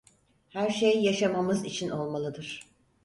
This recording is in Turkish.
Her şey yaşamamız için olmalıdır.